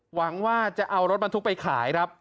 หวังว่าจะเอารถบรรทุกไปขายครับ